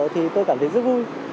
thì tôi cảm thấy rất vui